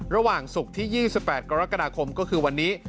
ระหว่างศุกร์ที่๒๘กรกฎาคมก็คือวันนี้